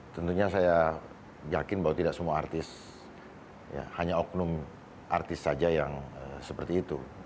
tentunya saya yakin bahwa tidak semua artis hanya oknum artis saja yang seperti itu